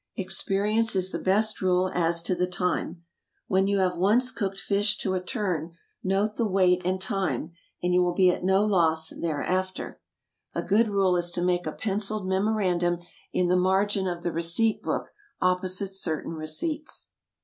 Experience is the best rule as to the time. When you have once cooked fish to a turn, note the weight and time, and you will be at no loss thereafter. A good rule is to make a pencilled memorandum in the margin of the receipt book opposite certain receipts.